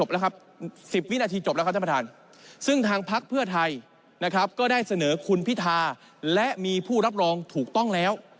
และได้เสนอคุณพิทาและมีผู้รับรองถูกต้องแล้ว